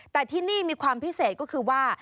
แต่ที่นี่มีความพิเศษก็คือว่า